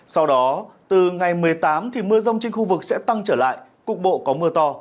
sau đó từ ngày một mươi tám thì mưa rông trên khu vực sẽ tăng trở lại cục bộ có mưa to